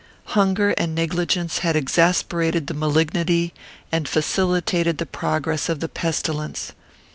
Hunger and negligence had exasperated the malignity and facilitated the progress of the pestilence.